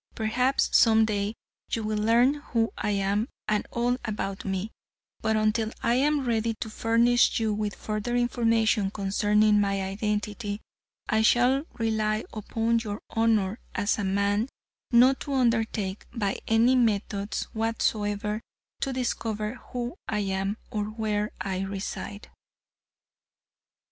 Perhaps some day you will learn who I am, and all about me, but until I am ready to furnish you with further information concerning my identity, I shall rely upon your honor as a man not to undertake, by any methods whatsoever, to discover who I am, or where I reside."